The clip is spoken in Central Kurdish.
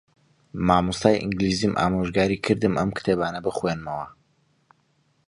مامۆستای ئینگلیزیم ئامۆژگاریی کردم ئەم کتێبانە بخوێنمەوە.